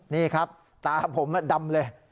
นี่ครับตาผมดำเลย